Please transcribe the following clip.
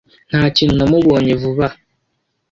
Nta kintu namubonye vuba aha.